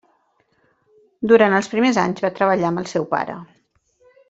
Durant els primers anys va treballar amb el seu pare.